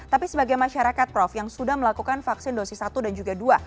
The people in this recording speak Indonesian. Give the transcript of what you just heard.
tapi sebagai masyarakat prof yang sudah melakukan vaksin dosis satu dan juga dua